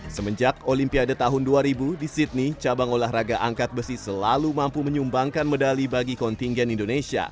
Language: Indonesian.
semenjak olimpiade tahun dua ribu di sydney cabang olahraga angkat besi selalu mampu menyumbangkan medali bagi kontingen indonesia